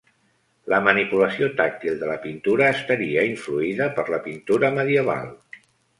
La manipulació tàctil de la pintura estaria influïda per la pintura medieval.